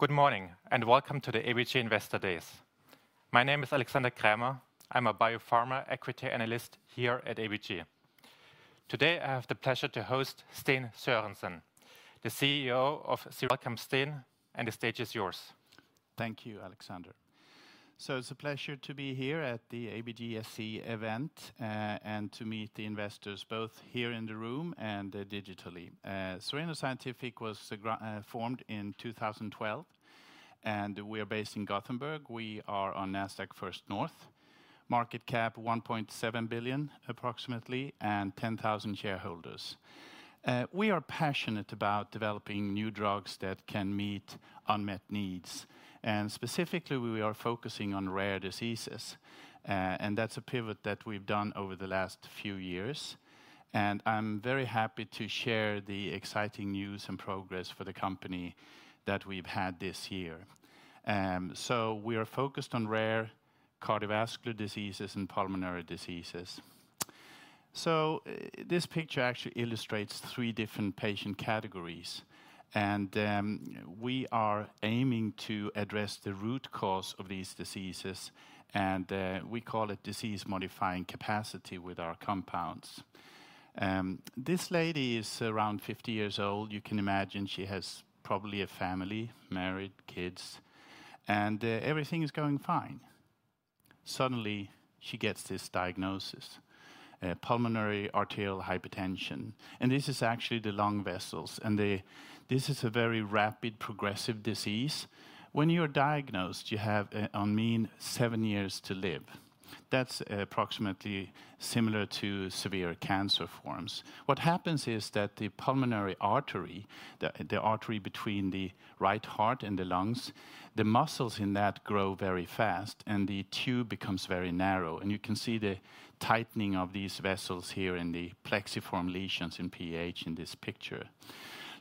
Good morning and welcome to the ABG Investor Days. My name is Alexander Krämer. I'm a biopharma equity analyst here at ABG. Today I have the pleasure to host Sten Sörensen, the CEO of Cereno Scientific. Welcome, Sten, and the stage is yours. Thank you, Alexander. So it's a pleasure to be here at the ABG event and to meet the investors both here in the room and digitally. Cereno Scientific was formed in 2012, and we are based in Gothenburg. We are on Nasdaq First North, market cap 1.7 billion approximately and 10,000 shareholders. We are passionate about developing new drugs that can meet unmet needs. And specifically, we are focusing on rare diseases. And that's a pivot that we've done over the last few years. And I'm very happy to share the exciting news and progress for the company that we've had this year. So we are focused on rare cardiovascular diseases and pulmonary diseases. So this picture actually illustrates three different patient categories. And we are aiming to address the root cause of these diseases. And we call it disease-modifying capacity with our compounds. This lady is around 50 years old. You can imagine she has probably a family, married, kids, and everything is going fine. Suddenly, she gets this diagnosis: pulmonary arterial hypertension, and this is actually the lung vessels, and this is a very rapid progressive disease. When you are diagnosed, you have a mean seven years to live. That's approximately similar to severe cancer forms. What happens is that the pulmonary artery, the artery between the right heart and the lungs, the muscles in that grow very fast, and the tube becomes very narrow, and you can see the tightening of these vessels here in the plexiform lesions in PAH in this picture,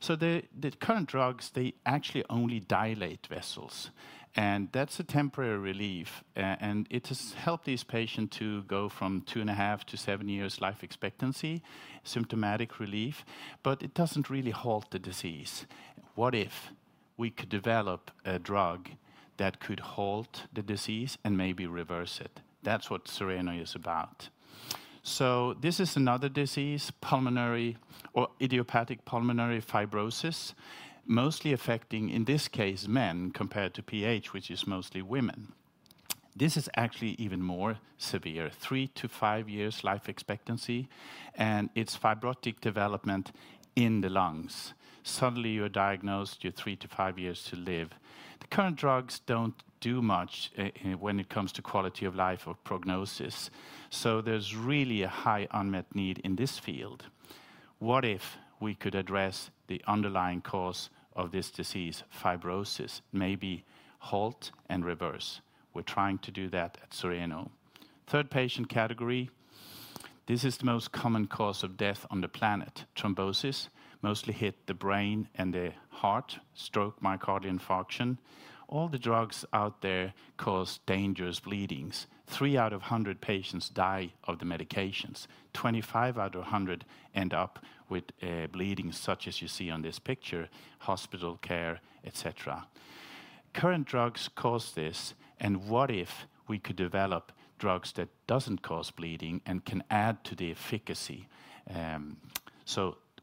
so the current drugs, they actually only dilate vessels. And that's a temporary relief, and it has helped these patients to go from two and a half to seven years life expectancy, symptomatic relief. It doesn't really halt the disease. What if we could develop a drug that could halt the disease and maybe reverse it? That's what Cereno is about. So this is another disease, idiopathic pulmonary fibrosis, mostly affecting, in this case, men compared to PAH, which is mostly women. This is actually even more severe, three-to-five years life expectancy, and it's fibrotic development in the lungs. Suddenly, you're diagnosed, you're three-to-five years to live. The current drugs don't do much when it comes to quality of life or prognosis. So there's really a high unmet need in this field. What if we could address the underlying cause of this disease, fibrosis, maybe halt and reverse? We're trying to do that at Cereno. Third patient category: this is the most common cause of death on the planet, thrombosis, mostly hit the brain and the heart, stroke, myocardial infarction. All the drugs out there cause dangerous bleedings. Three out of 100 patients die of the medications. 25 out of 100 end up with bleeding such as you see on this picture, hospital care, et cetera. Current drugs cause this. What if we could develop drugs that don't cause bleeding and can add to the efficacy?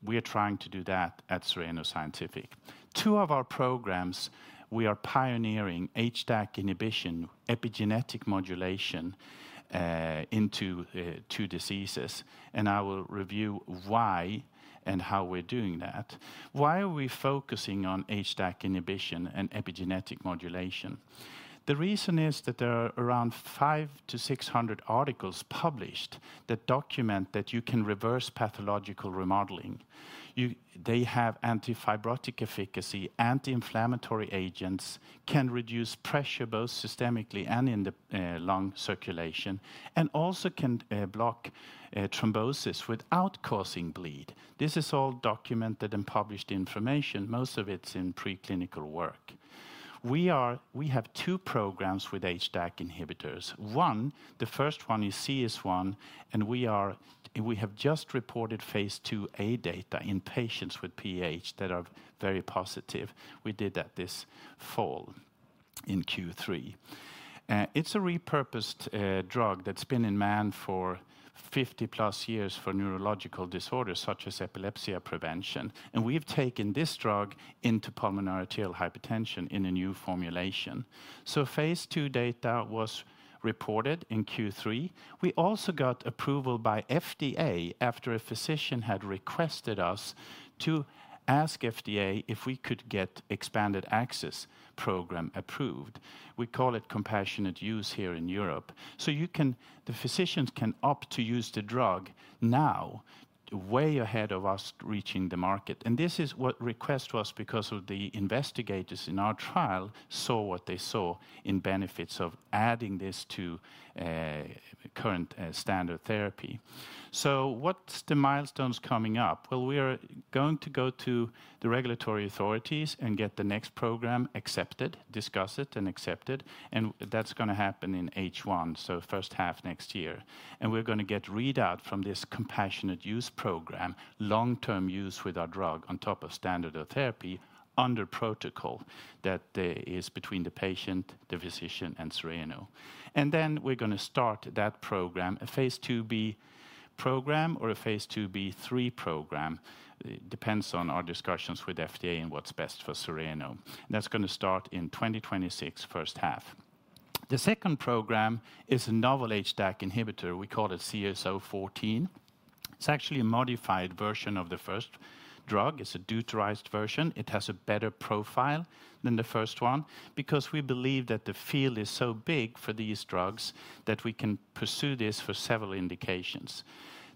We are trying to do that at Cereno Scientific. Two of our programs: we are pioneering HDAC inhibition, epigenetic modulation into two diseases. I will review why and how we're doing that. Why are we focusing on HDAC inhibition and epigenetic modulation? The reason is that there are around 500-600 articles published that document that you can reverse pathological remodeling. They have anti-fibrotic efficacy, anti-inflammatory agents, can reduce pressure both systemically and in the lung circulation, and also can block thrombosis without causing bleeding. This is all documented and published information. Most of it's in preclinical work. We have two programs with HDAC inhibitors. One, the first one you see is one, and we have just reported phase II-A data in patients with PAH that are very positive. We did that this fall in Q3. It's a repurposed drug that's been in man for 50 plus years for neurological disorders such as epilepsy prevention, and we've taken this drug into pulmonary arterial hypertension in a new formulation, so phase II data was reported in Q3. We also got approval by FDA after a physician had requested us to ask FDA if we could get expanded access program approved. We call it compassionate use here in Europe. So the physicians can opt to use the drug now, way ahead of us reaching the market. And this is what requested us because of the investigators in our trial saw what they saw in benefits of adding this to current standard therapy. So what's the milestones coming up? Well, we are going to go to the regulatory authorities and get the next program accepted, discuss it and accepted. And that's going to happen in H1, so first half next year. And we're going to get readout from this compassionate use program, long-term use with our drug on top of standard therapy under protocol that is between the patient, the physician, and Cereno. And then we're going to start that program, a phase II-B program or a phase II-B3 program. It depends on our discussions with FDA and what's best for Cereno. That's going to start in 2026, first half. The second program is a novel HDAC inhibitor. We call it CS014. It's actually a modified version of the first drug. It's a deuterated version. It has a better profile than the first one because we believe that the field is so big for these drugs that we can pursue this for several indications.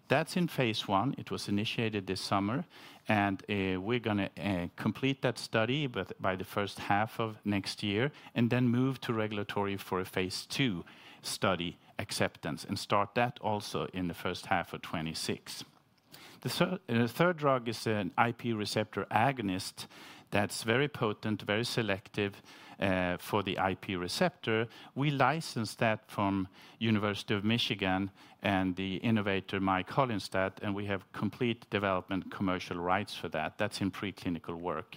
That's in phase I. It was initiated this summer, and we're going to complete that study by the first half of next year and then move to regulatory for a phase II study acceptance and start that also in the first half of 2026. The third drug is an IP receptor agonist that's very potent, very selective for the IP receptor. We licensed that from University of Michigan and the innovator Mike Holinstat, and we have complete development commercial rights for that. That's in preclinical work.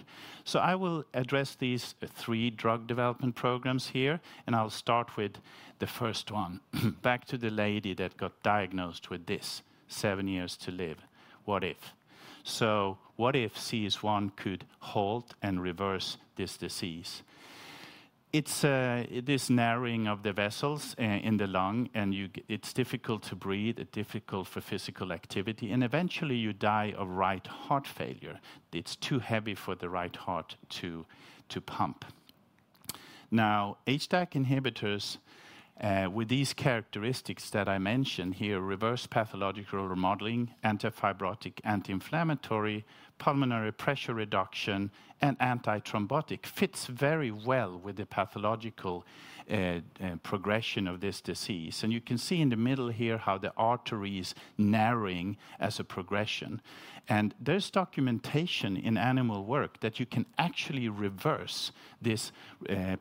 I will address these three drug development programs here. I'll start with the first one. Back to the lady that got diagnosed with this, seven years to live. What if? What if CS1 could halt and reverse this disease? It's this narrowing of the vessels in the lung. And it's difficult to breathe. It's difficult for physical activity. And eventually, you die of right heart failure. It's too heavy for the right heart to pump. Now, HDAC inhibitors with these characteristics that I mentioned here, reverse pathological remodeling, anti-fibrotic, anti-inflammatory, pulmonary pressure reduction, and anti-thrombotic fits very well with the pathological progression of this disease. And you can see in the middle here how the artery is narrowing as a progression. There's documentation in animal work that you can actually reverse this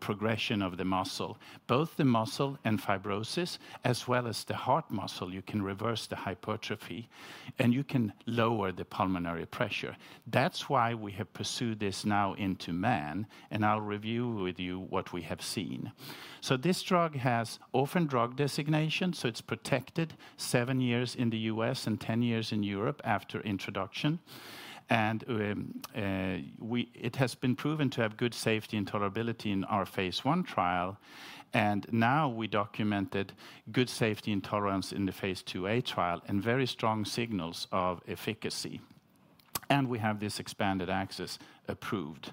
progression of the muscle, both the muscle and fibrosis, as well as the heart muscle. You can reverse the hypertrophy, and you can lower the pulmonary pressure. That's why we have pursued this now into man. I'll review with you what we have seen. This drug has orphan drug designation. It's protected seven years in the U.S. and 10 years in Europe after introduction. It has been proven to have good safety and tolerability in our phase one trial. Now we documented good safety and tolerance in the phase II-A trial and very strong signals of efficacy. We have this expanded access approved.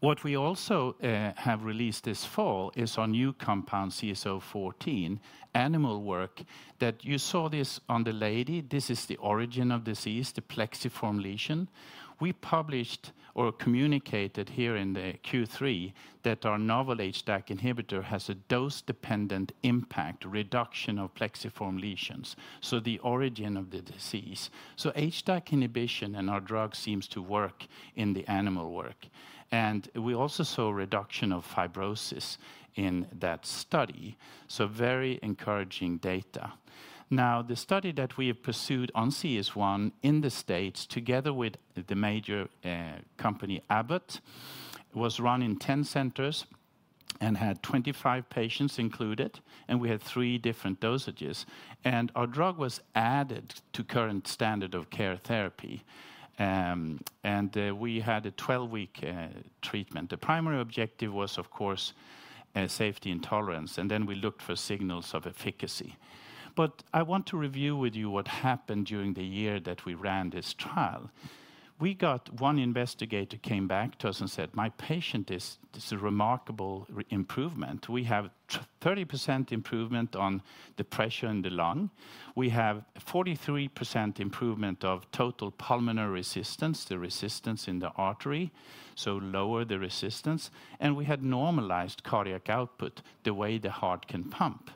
What we also have released this fall is our new compound CS014, animal work that you saw this on the slide. This is the origin of disease, the plexiform lesion. We published or communicated here in Q3 that our novel HDAC inhibitor has a dose-dependent impact reduction of plexiform lesions. So the origin of the disease. So HDAC inhibition and our drug seems to work in the animal work. And we also saw reduction of fibrosis in that study. So very encouraging data. Now, the study that we have pursued on CS1 in the states together with the major company, Abbott, was run in 10 centers and had 25 patients included. And we had three different dosages. And our drug was added to current standard of care therapy. And we had a 12-week treatment. The primary objective was, of course, safety and tolerance. And then we looked for signals of efficacy. But I want to review with you what happened during the year that we ran this trial. One investigator came back to us and said, "My patient is a remarkable improvement. We have 30% improvement on the pressure in the lung. We have 43% improvement of total pulmonary resistance, the resistance in the artery, so lower the resistance. And we had normalized cardiac output the way the heart can pump."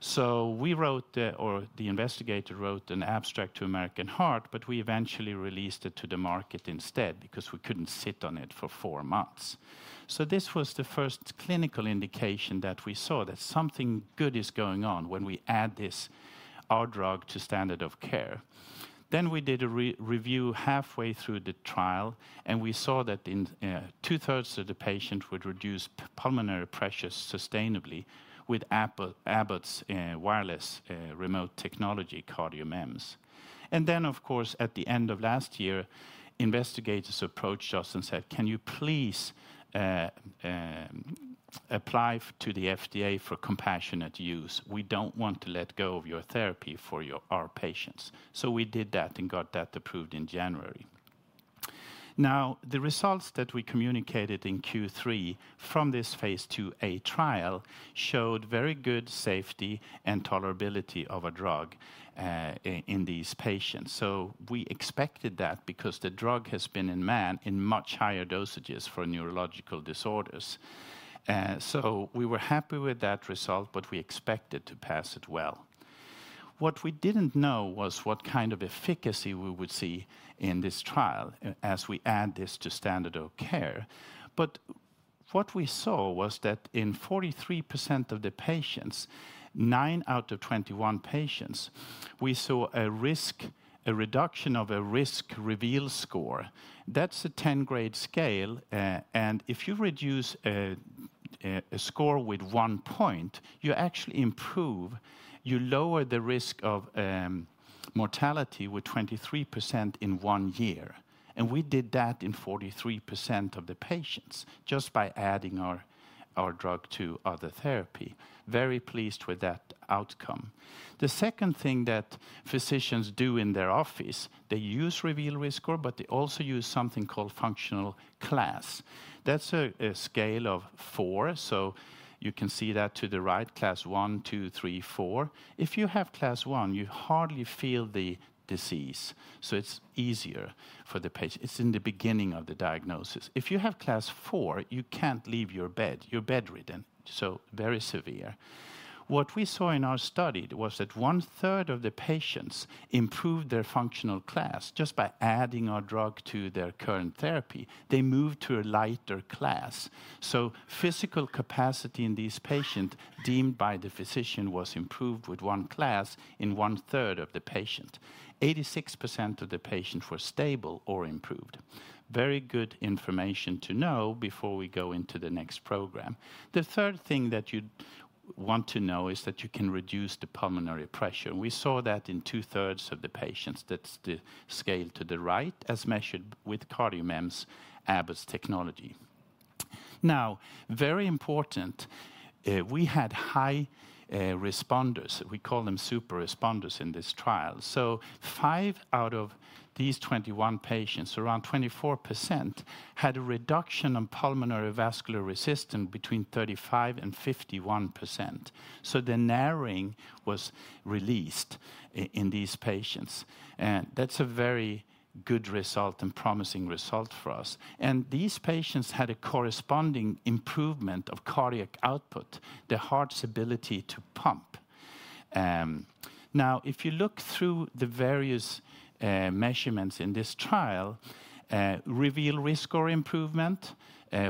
So we wrote, or the investigator wrote an abstract to American Heart, but we eventually released it to the market instead because we couldn't sit on it for four months. So this was the first clinical indication that we saw that something good is going on when we add our drug to standard of care. Then we did a review halfway through the trial, and we saw that two-thirds of the patient would reduce pulmonary pressure sustainably with Abbott's wireless remote technology, CardioMEMS. And then, of course, at the end of last year, investigators approached us and said, "Can you please apply to the FDA for compassionate use? We don't want to let go of your therapy for our patients." So we did that and got that approved in January. Now, the results that we communicated in Q3 from this phase II-A trial showed very good safety and tolerability of a drug in these patients. So we expected that because the drug has been in man in much higher dosages for neurological disorders. So we were happy with that result, but we expected to pass it well. What we didn't know was what kind of efficacy we would see in this trial as we add this to standard of care. But what we saw was that in 43% of the patients, 9 out of 21 patients, we saw a reduction of a REVEAL Risk Score. That's a 10-grade scale. And if you reduce a score with one point, you actually improve. You lower the risk of mortality with 23% in one year. And we did that in 43% of the patients just by adding our drug to other therapy. Very pleased with that outcome. The second thing that physicians do in their office, they use REVEAL Risk Score, but they also use something called Functional Class. That's a scale of four. So you can see that to the right, class I, II, III, IV. If you have Class I, you hardly feel the disease. So it's easier for the patient. It's in the beginning of the diagnosis. If you have Class IV, you can't leave your bed. You're bedridden. So very severe. What we saw in our study was that 1/3 of the patients improved their functional class just by adding our drug to their current therapy. They moved to a lighter class. So physical capacity in these patients deemed by the physician was improved with one class in 1/3 of the patient. 86% of the patients were stable or improved. Very good information to know before we go into the next program. The third thing that you want to know is that you can reduce the pulmonary pressure. We saw that in 2/3 of the patients. That's the scale to the right as measured with CardioMEMS, Abbott's technology. Now, very important, we had high responders. We call them super responders in this trial. So five out of these 21 patients, around 24%, had a reduction in pulmonary vascular resistance between 35% and 51%. So the narrowing was released in these patients. And that's a very good result and promising result for us. And these patients had a corresponding improvement of cardiac output, the heart's ability to pump. Now, if you look through the various measurements in this trial, REVEAL Risk Score improvement,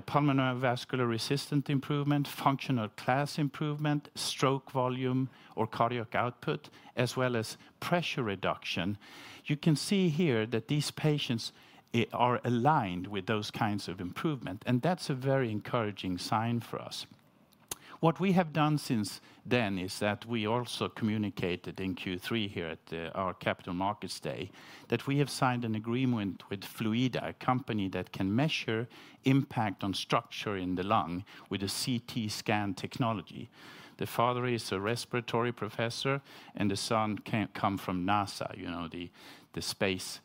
Pulmonary Vascular Resistance improvement, Functional Class improvement, stroke volume or cardiac output, as well as pressure reduction, you can see here that these patients are aligned with those kinds of improvement. And that's a very encouraging sign for us. What we have done since then is that we also communicated in Q3 here at our Capital Markets Day that we have signed an agreement with Fluidda, a company that can measure impact on structure in the lung with a CT scan technology. The founder is a respiratory professor, and the son comes from NASA, you know, the space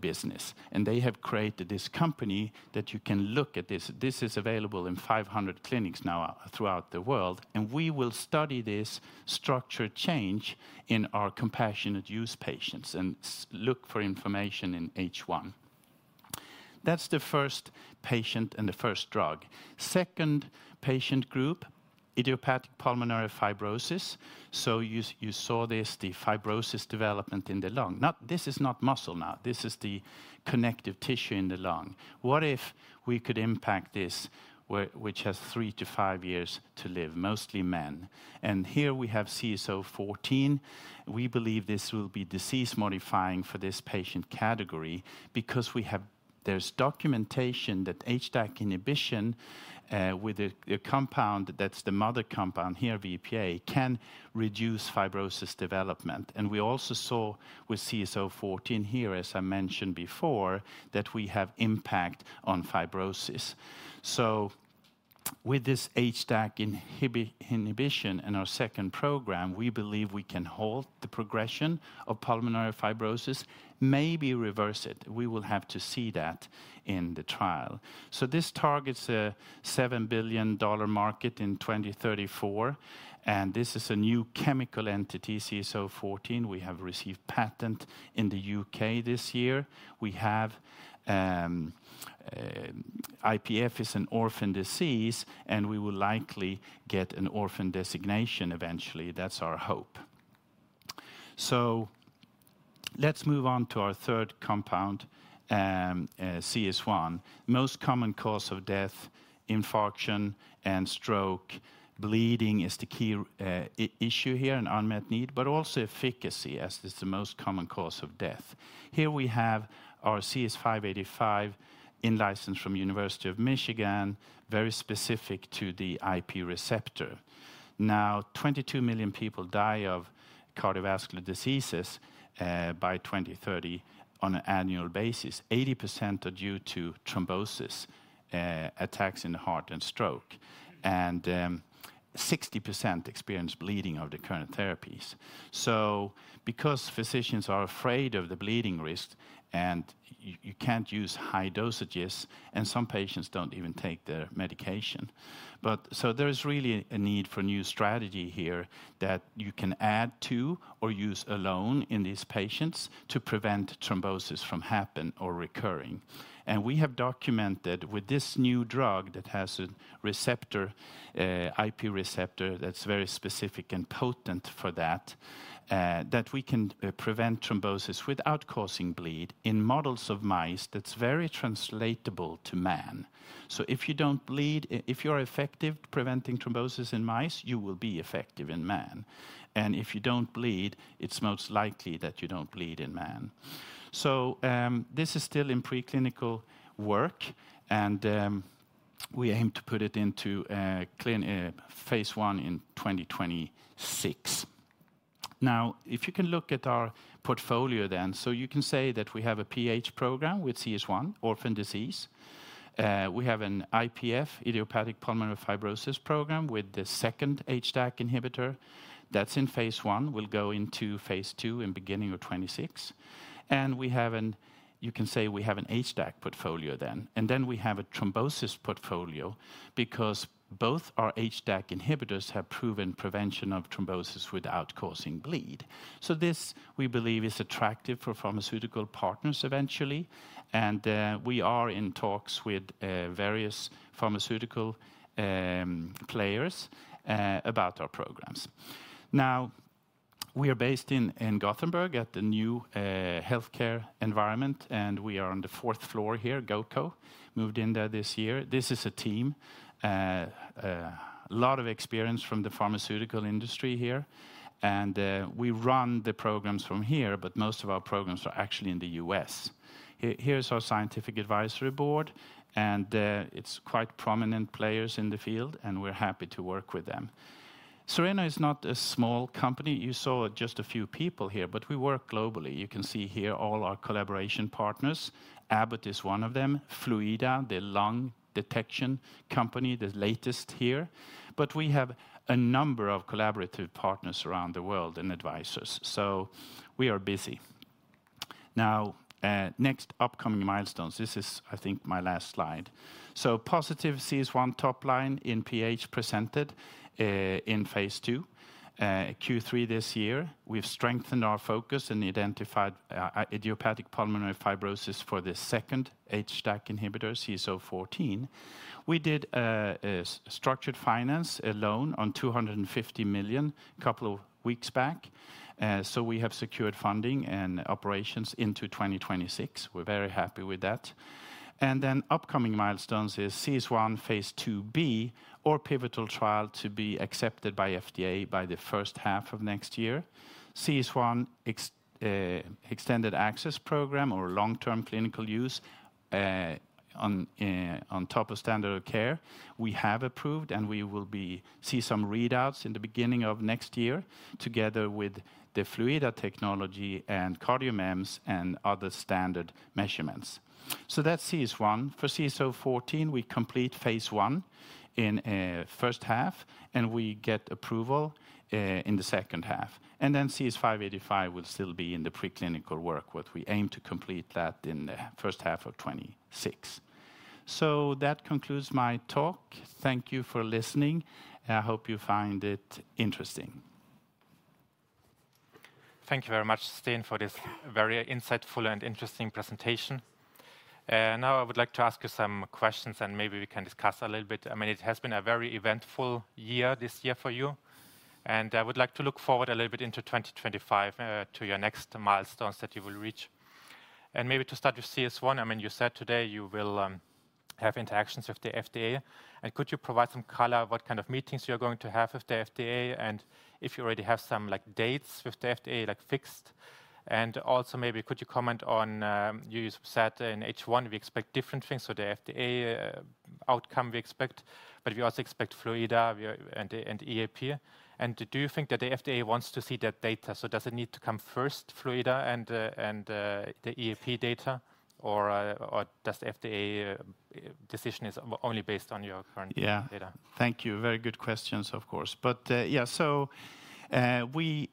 business. And they have created this company that you can look at this. This is available in 500 clinics now throughout the world. And we will study this structure change in our compassionate use patients and look for information in H1. That's the first patient and the first drug. Second patient group, idiopathic pulmonary fibrosis. So you saw this, the fibrosis development in the lung. This is not muscle now. This is the connective tissue in the lung. What if we could impact this, which has three to five years to live, mostly men? And here we have CS014. We believe this will be disease modifying for this patient category because there's documentation that HDAC inhibition with a compound that's the mother compound here, VPA, can reduce fibrosis development. And we also saw with CS014 here, as I mentioned before, that we have impact on fibrosis. With this HDAC inhibition and our second program, we believe we can halt the progression of pulmonary fibrosis, maybe reverse it. We will have to see that in the trial. This targets a $7 billion market in 2034. This is a new chemical entity, CS014. We have received patent in the U.K. this year. IPF is an orphan disease, and we will likely get an orphan designation eventually. That's our hope. Let's move on to our third compound, CS1. Most common cause of death, infarction and stroke, bleeding is the key issue here and unmet need, but also efficacy as it's the most common cause of death. Here we have our CS585 in license from University of Michigan, very specific to the IP receptor. Now, 22 million people die of cardiovascular diseases by 2030 on an annual basis. 80% are due to thrombosis, attacks in the heart, and stroke, and 60% experience bleeding of the current therapies. Because physicians are afraid of the bleeding risk and you can't use high dosages, and some patients don't even take their medication, but so there is really a need for new strategy here that you can add to or use alone in these patients to prevent thrombosis from happening or recurring, and we have documented with this new drug that has a receptor, IP receptor, that's very specific and potent for that, that we can prevent thrombosis without causing bleed in models of mice that's very translatable to man. If you don't bleed, if you are effective preventing thrombosis in mice, you will be effective in man, and if you don't bleed, it's most likely that you don't bleed in man. So this is still in preclinical work, and we aim to put it into phase one in 2026. Now, if you can look at our portfolio then, so you can say that we have a PAH program with CS1, orphan disease. We have an IPF, idiopathic pulmonary fibrosis program with the second HDAC inhibitor. That's in phase one. We'll go into phase two in beginning of 2026. And we have an, you can say we have an HDAC portfolio then. And then we have a thrombosis portfolio because both our HDAC inhibitors have proven prevention of thrombosis without causing bleed. So this, we believe, is attractive for pharmaceutical partners eventually. And we are in talks with various pharmaceutical players about our programs. Now, we are based in Gothenburg at the new healthcare environment, and we are on the fourth floor here, GoCo, moved in there this year. This is a team, a lot of experience from the pharmaceutical industry here, and we run the programs from here, but most of our programs are actually in the U.S. Here's our scientific advisory board, and it's quite prominent players in the field, and we're happy to work with them. Cereno is not a small company. You saw just a few people here, but we work globally. You can see here all our collaboration partners. Abbott is one of them. Fluidda, the lung detection company, the latest here. But we have a number of collaborative partners around the world and advisors, so we are busy. Now, next upcoming milestones. This is, I think, my last slide, so positive CS1 top line in PAH presented in phase II, Q3 this year. We've strengthened our focus and identified idiopathic pulmonary fibrosis for the second HDAC inhibitor, CS014. We did structured finance alone on 250 million a couple of weeks back. So we have secured funding and operations into 2026. We're very happy with that. And then upcoming milestones is CS1 phase II-B, or pivotal trial to be accepted by FDA by the first half of next year. CS1 extended access program or long-term clinical use on top of standard of care we have approved, and we will see some readouts in the beginning of next year together with the Fluidda technology and CardioMEMS and other standard measurements. So that's CS1. For CS014, we complete phase one in first half, and we get approval in the second half. And then CS585 will still be in the preclinical work, but we aim to complete that in the first half of 2026. So that concludes my talk. Thank you for listening. I hope you find it interesting. Thank you very much, Sten, for this very insightful and interesting presentation. Now, I would like to ask you some questions, and maybe we can discuss a little bit. I mean, it has been a very eventful year this year for you, and I would like to look forward a little bit into 2025 to your next milestones that you will reach, and maybe to start with CS1, I mean, you said today you will have interactions with the FDA, and could you provide some color what kind of meetings you're going to have with the FDA and if you already have some dates with the FDA fixed, and also maybe could you comment on, you said in H1, we expect different things for the FDA outcome we expect, but we also expect Fluidda and EAP, and do you think that the FDA wants to see that data? So does it need to come first, Fluidda and the EAP data, or does the FDA decision is only based on your current data? Yeah, thank you. Very good questions, of course, but yeah, so we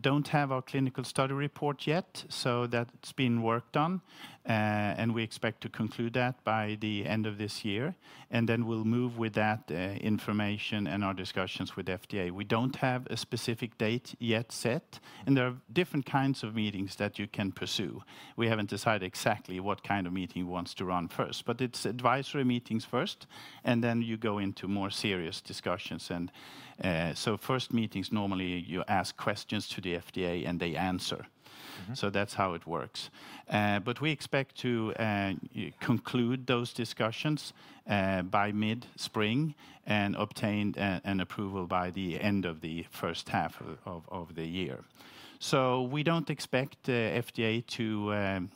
don't have our clinical study report yet, so that's been worked on, and we expect to conclude that by the end of this year, and then we'll move with that information and our discussions with the FDA. We don't have a specific date yet set, and there are different kinds of meetings that you can pursue. We haven't decided exactly what kind of meeting wants to run first, but it's advisory meetings first, and then you go into more serious discussions, and so first meetings, normally you ask questions to the FDA and they answer, so that's how it works. We expect to conclude those discussions by mid-spring and obtain an approval by the end of the first half of the year. We don't expect the FDA to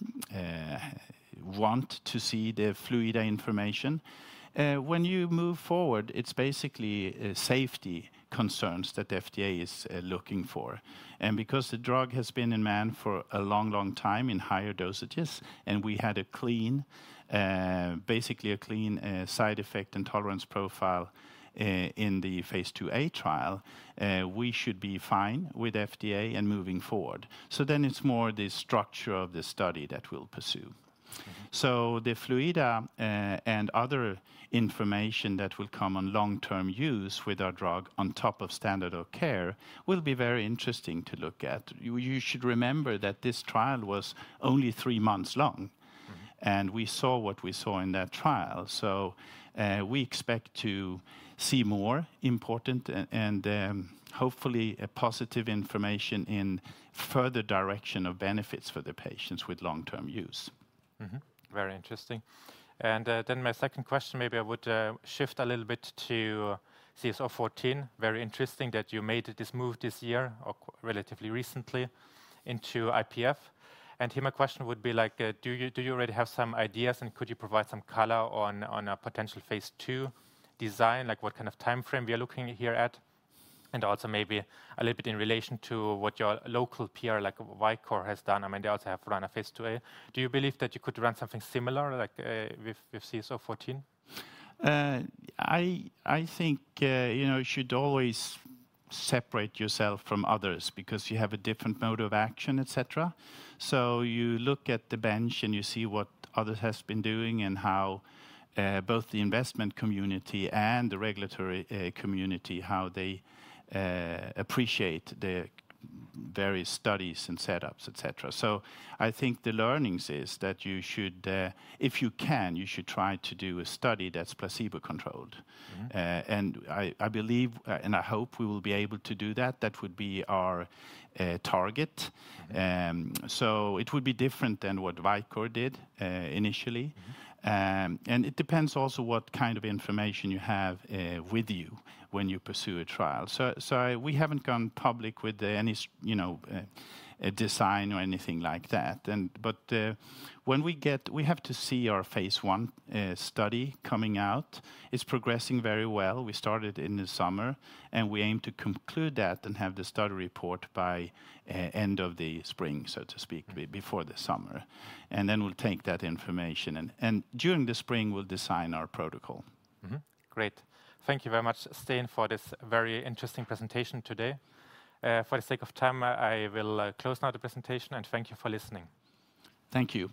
want to see the Fluidda information. When you move forward, it's basically safety concerns that the FDA is looking for. Because the drug has been in man for a long, long time in higher dosages, and we had a clean, basically a clean side effect and tolerance profile in the phase II-A trial, we should be fine with FDA and moving forward. It's more the structure of the study that we'll pursue. The Fluidda and other information that will come on long-term use with our drug on top of standard of care will be very interesting to look at. You should remember that this trial was only three months long, and we saw what we saw in that trial. So we expect to see more important and hopefully positive information in further direction of benefits for the patients with long-term use. Very interesting. And then my second question, maybe I would shift a little bit to CS014. Very interesting that you made this move this year or relatively recently into IPF. And here my question would be like, do you already have some ideas and could you provide some color on a potential phase II design, like what kind of timeframe we are looking here at? And also maybe a little bit in relation to what your local peer, like Vicore, has done. I mean, they also have run a phase two. Do you believe that you could run something similar with CS014? I think you should always separate yourself from others because you have a different mode of action, etc. So you look at the bench and you see what others have been doing and how both the investment community and the regulatory community, how they appreciate the various studies and setups, etc. So I think the learnings is that you should, if you can, you should try to do a study that's placebo controlled. And I believe, and I hope we will be able to do that. That would be our target. So it would be different than what Vicore did initially. And it depends also what kind of information you have with you when you pursue a trial. So we haven't gone public with any design or anything like that. But when we get, we have to see our phase one study coming out. It's progressing very well. We started in the summer, and we aim to conclude that and have the study report by end of the spring, so to speak, before the summer, and then we'll take that information. During the spring, we'll design our protocol. Great. Thank you very much, Sten, for this very interesting presentation today. For the sake of time, I will close now the presentation, and thank you for listening. Thank you.